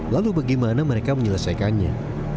lalu bagaimana mereka menyelesaikannya